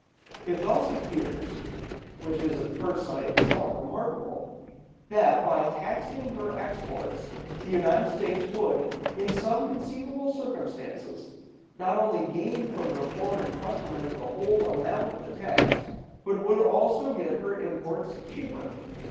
It thus appears (what is at first sight somewhat remarkable) that, by taxing her exports, the United States would, in some conceivable circumstances, not only gain from her foreign customers the whole amount of the tax, but would also get her imports cheaper.